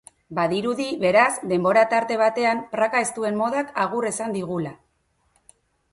Badirudi, beraz, denbora tarte batean praka estuen modak agur esango digula.